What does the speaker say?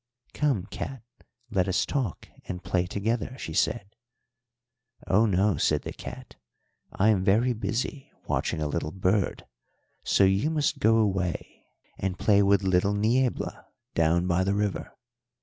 "'Come, cat, let us talk and play together,' she said. "'Oh no,' said the cat. 'I am very busy watching a little bird, so you must go away and play with little Niebla down by the river.'